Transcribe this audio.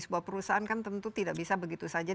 sebuah perusahaan kan tentu tidak bisa begitu saja